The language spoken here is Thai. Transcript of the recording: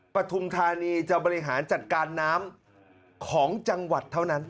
ปฐุมธานีจะบริหารจัดการน้ำของจังหวัดเท่านั้น